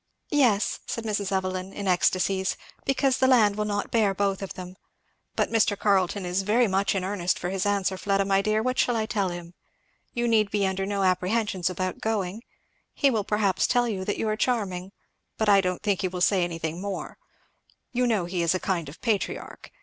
"Yes," said Mrs. Evelyn in ecstacies, "because the land will not bear both of them. But Mr. Carleton is very much in earnest for his answer, Fleda my dear what shall I tell him? You need be under no apprehensions about going he will perhaps tell you that you are charming, but I don't think he will say anything more. You know he is a kind of patriarch!